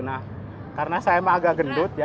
nah karena saya emang agak gendut ya